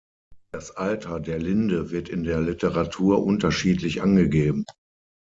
Das Alter der Linde wird in der Literatur unterschiedlich angegeben.